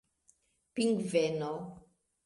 pingveno